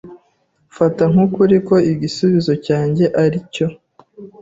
Mfata nk'ukuri ko igisubizo cyanjye ari cyo.